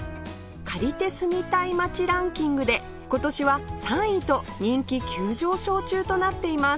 借りて住みたい街ランキングで今年は３位と人気急上昇中となっています